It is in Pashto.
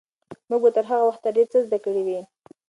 موږ به تر هغه وخته ډېر څه زده کړي وي.